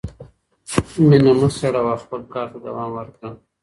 مینه مه سړوه او خپل کار ته دوام ورکړه.